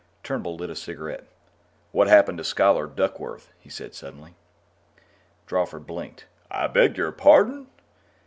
Turnbull lit a cigarette. "What happened to Scholar Duckworth?" he said suddenly. Drawford blinked. "I beg your pardon?"